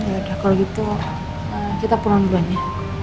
ya udah kalau gitu kita pulang dulunya